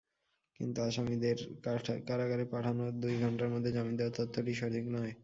কিন্তু আসামিদের কারাগারে পাঠানোর দুই ঘণ্টার মধ্যে জামিন দেওয়ার তথ্যটি সঠিক নয়।